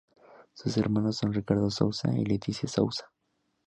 Sus hermanos son Ricardo Souza y Letícia Souza.